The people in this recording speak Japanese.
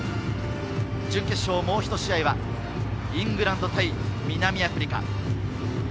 準決勝、もうひと試合はイングランド対南アフリカ。